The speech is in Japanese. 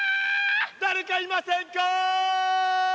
誰かいませんか？